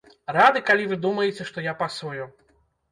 Рады, калі вы думаеце, што я пасую!